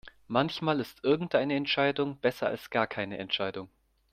Manchmal ist irgendeine Entscheidung besser als gar keine Entscheidung.